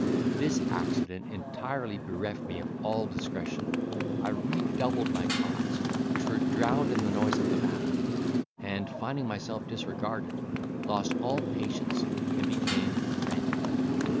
This accident entirely bereft me of all discretion; I redoubled my cries, which were drowned in the noise of the battle; and, finding myself disregarded, lost all patience, and became frantic.